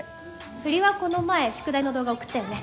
振りはこの前宿題の動画送ったよね。